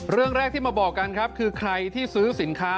เรื่องแรกที่มาบอกกันครับคือใครที่ซื้อสินค้า